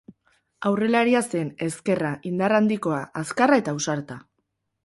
Aurrelaria zen, ezkerra, indar handikoa, azkarra eta ausarta.